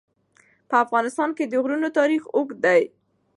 په افغانستان کې د غرونه تاریخ اوږد دی.